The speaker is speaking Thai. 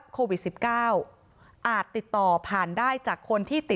โควิด๑๙อาจติดต่อ